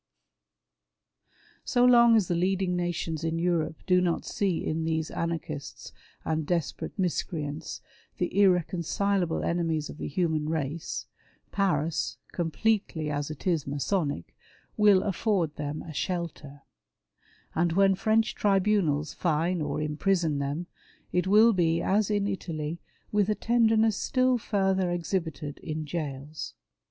So long as the leadmg nations in Europe do not see in these anarchists and desperate miscreants the irreconcilable enemies of the human race, Paris, completely as it is Masonic, will afford them a shelter ; and when French tribunals fine or imprison them, it will be as in Italy with a tenderness still further exhibited in gaols.